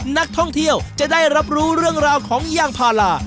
นักท่องเที่ยวจะได้รับรู้เรื่องราวของยางพารา